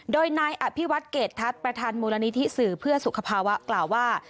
โดยนายอภิวัตเกรดทัศน์ประธานมูลนิธิสื่อเพื่อสุขภาวะกล่าวว่า